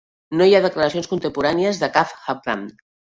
No hi ha declaracions contemporànies de cap Halfdan.